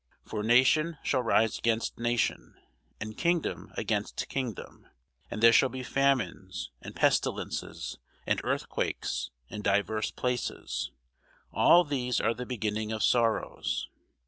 For nation shall rise against nation, and kingdom against kingdom: and there shall be famines, and pestilences, and earthquakes, in divers places. All these are the beginning of sorrows.